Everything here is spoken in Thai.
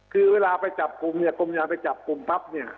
คือเวลาไปจับกลุ่มเนี่ยกรมยานไปจับกลุ่มปั๊บเนี่ย